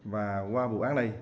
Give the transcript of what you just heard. và qua vụ án này